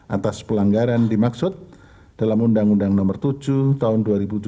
atas pelanggaran dimaksud dalam undang undang nomor tujuh tahun dua ribu tujuh belas